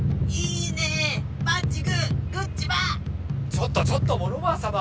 ちょっとちょっとモノバアさま！